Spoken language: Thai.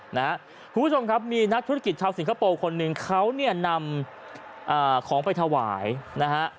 คุณผู้ชมครับมีนักธุรกิจชาวสิงคโปร์คนหนึ่งเขาเนี่ยนำของไปถวายนะฮะ